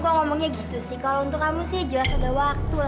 gue ngomongnya gitu sih kalau untuk kamu sih jelas ada waktu lah